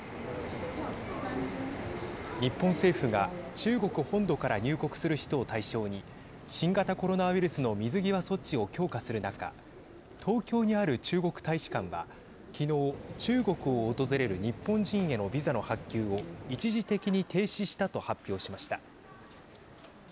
日本政府が中国本土から入国する人を対象に新型コロナウイルスの水際措置を強化する中東京にある中国大使館は昨日、中国を訪れる日本人へのビザの発給を一時的に停止したと発表しました。